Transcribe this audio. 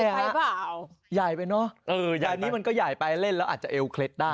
ไปเปล่าใหญ่ไปเนอะเออใหญ่อันนี้มันก็ใหญ่ไปเล่นแล้วอาจจะเอวเคล็ดได้